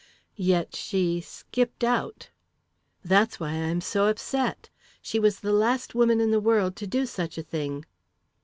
"Yet she 'skipped out'!" "That's why I'm so upset she was the last woman in the world to do such a thing!"